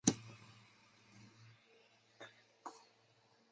节目筹集的资金全部捐献给了。